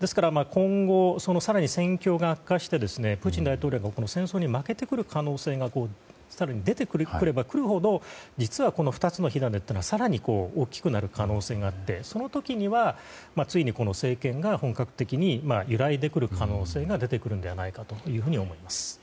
ですから今後更に戦況が悪化してプーチン大統領が戦争に負けてくる可能性が出てくればくるほど実は、この２つの火種というのは更に大きくなる可能性があって、その時にはついに政権が本格的に揺らいでくる可能性が出てくるのではないかと思っています。